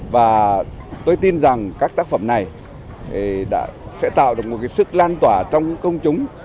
và tôi tin rằng các tác phẩm này sẽ tạo được một sức lan tỏa trong công chúng